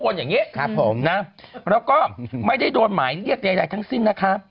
นางบอกทุกคนอย่างนี้แล้วก็ไม่ได้โดนหมายเรียกใดทั้งสิ้นนะคะ